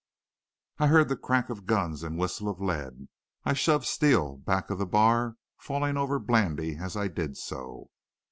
I heard the crack of guns and whistle of lead. I shoved Steele back of the bar, falling over Blandy as I did so.